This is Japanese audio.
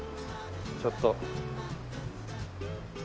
ちょっと。